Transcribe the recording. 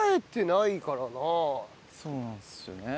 そうなんですよね。